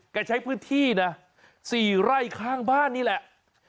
ใช้พื้นที่นะ๔ไร่ข้างบ้านนี่แหละ